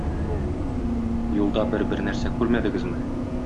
Юлда бер-бер нәрсә күрмәдегезме?